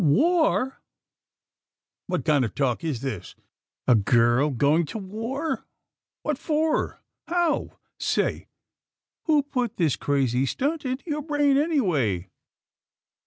"War? What kind of talk is this? A girl going to war? What for? How? Say!! Who put this crazy stunt into your brain, anyway?"